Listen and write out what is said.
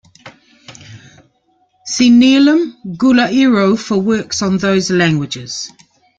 See Niellim, Gula Iro for works on those languages.